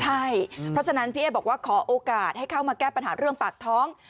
ใช่เพราะฉะนั้นพี่เอ๊บอกว่าขอโอกาสให้เข้ามาแก้ปัญหาเรื่องปากท้อง